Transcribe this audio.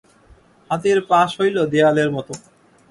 হাতীর পাশ হইল দেওয়ালের মত।